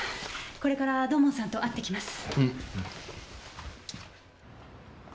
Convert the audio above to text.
これから土門さんと会ってきます。